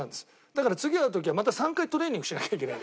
だから次会う時はまた３回トレーニングしなきゃいけない。